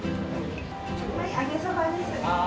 はい、揚げそばです。